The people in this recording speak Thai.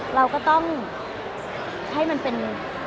ให้มันเป็น